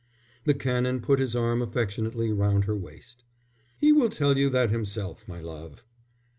The Canon put his arm affectionately round her waist. "He will tell you that himself, my love."